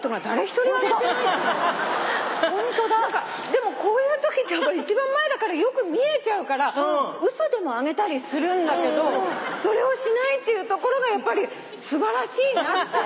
でもこういうとき一番前だからよく見えちゃうから嘘でもあげたりするんだけどそれをしないっていうところがやっぱり素晴らしいなって。